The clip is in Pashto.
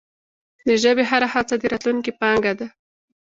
د ژبي هره هڅه د راتلونکې پانګه ده.